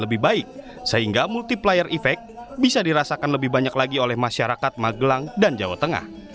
lebih baik sehingga multiplier effect bisa dirasakan lebih banyak lagi oleh masyarakat magelang dan jawa tengah